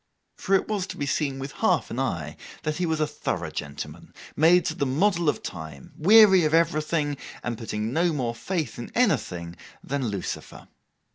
For it was to be seen with half an eye that he was a thorough gentleman, made to the model of the time; weary of everything, and putting no more faith in anything than Lucifer.